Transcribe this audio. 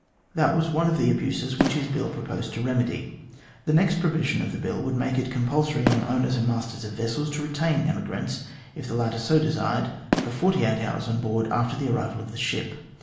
That was one of the abuses which his Bill proposed to remedy. The next provision of the Bill would make it compulsory on owners and masters of vessels to retain emigrants, if the latter so desired, for forty eight hours on board after the arrival of the ship.